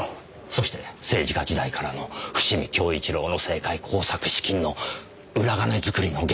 そして政治家時代からの伏見亨一良の政界工作資金の裏金作りの源泉だったとしたら。